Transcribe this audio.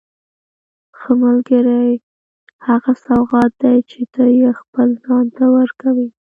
ښه ملګری هغه سوغات دی چې ته یې خپل ځان ته ورکوې.